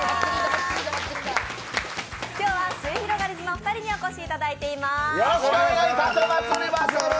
今日はすゑひろがりずのお二人にもお越しいただいています。